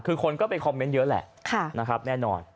คือคนก็ไปคอมเมนต์เยอะแหละนะครับแน่นอน